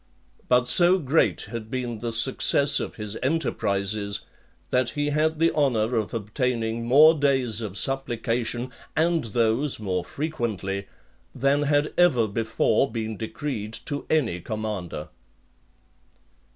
But so great had been the success of his enterprises, that he had the honour of obtaining more days (17) of supplication, and those more frequently, than had ever before been decreed to any commander.